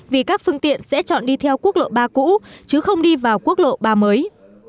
vì các phương tiện sẽ chọn đi theo quốc lộ ba cũ chứ không đi vào quốc lộ ba mới